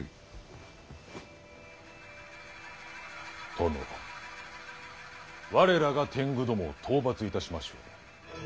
殿我らが天狗どもを討伐いたしましょう。